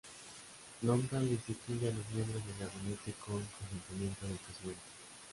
Nombra y destituye a los miembros del gabinete con consentimiento del presidente.